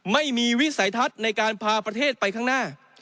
วิสัยทัศน์ในการพาประเทศไปข้างหน้า